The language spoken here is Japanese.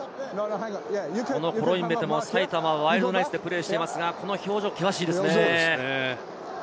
コロインベテも埼玉ワイルドナイツでプレーしていますが表情が険しいですね。